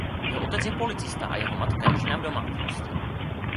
Jeho otec je policista a jeho matka je žena v domácnosti.